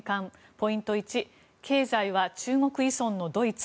ポイント１経済は中国依存のドイツ。